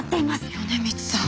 米光さん。